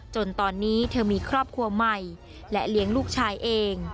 จนตอนนี้เธอมีครอบครัวใหม่และเลี้ยงลูกชายเอง